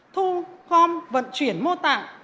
thu gom vận chuyển mô tạng